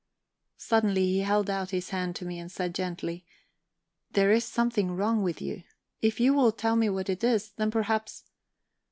Suddenly he held out his hand to me, and said gently: "There is something wrong with you. If you will tell me what it is, then perhaps..."